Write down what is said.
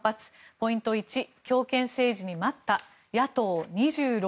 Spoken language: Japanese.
ポイント１、強権政治に待った野党２６